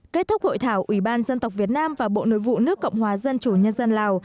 kết thúc hội thảo ủy ban dân tộc việt nam và bộ nội vụ nước cộng hòa dân chủ nhân dân lào